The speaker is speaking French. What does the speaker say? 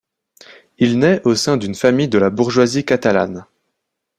Il naît au sein d'une famille de la bourgeoisie catalane.